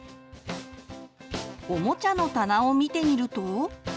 おもちゃの棚を見てみると。